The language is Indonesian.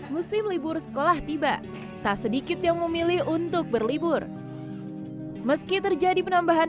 musim libur sekolah tiba tak sedikit yang memilih untuk berlibur meski terjadi penambahan